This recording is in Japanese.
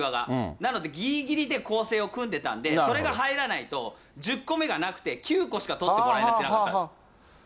なので、ぎりぎりで構成を組んでたんで、それが入らないと、１０個目がなくて、９個しか取ってもらえてなかったんですよ。